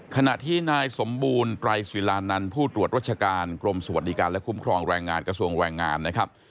ขณะที่นายสมบูรณ์ไตรศิลานันต์ผู้ตรวจรัชการกรมสวัสดิการและคุ้มครองแรงงานกระทรวงแรงงานนะครับ